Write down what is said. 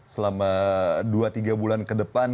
selama dua tiga bulan ke depan